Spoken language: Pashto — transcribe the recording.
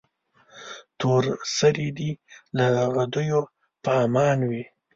تور سرې دې له غدیو په امان وي.